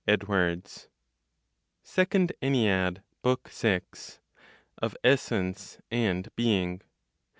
SECOND ENNEAD, BOOK SIX. Of Essence and Being.